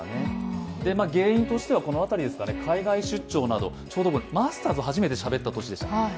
原因としてはこのあたりですね、ちょうどマスターズ、初めてしゃべった年でした。